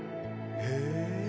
へえ！